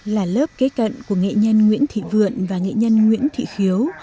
là lớp kế cận của nghệ nhân nguyễn thị vượn và nghệ nhân nguyễn thị khiếu